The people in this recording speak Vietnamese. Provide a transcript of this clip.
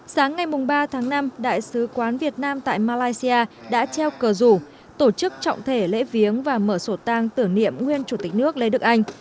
sáng ngày ba tháng năm đại sứ quán việt nam tại malaysia đã treo cờ rủ tổ chức trọng thể lễ viếng và mở sổ tăng tử niệm nguyên chủ tịch nước lê đức anh